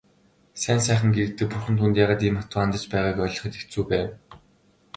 Сайн сайхан гэгддэг бурхан түүнд яагаад ийм хатуу хандаж байгааг ойлгоход хэцүү байв.